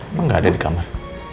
emang gak ada di kamar